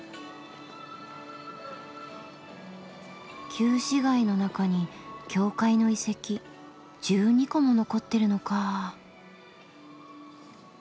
旧市街の中に教会の遺跡１２個も残ってるのかぁ。